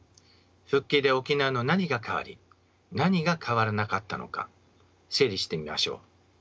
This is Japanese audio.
復帰で沖縄の何が変わり何が変わらなかったのか整理してみましょう。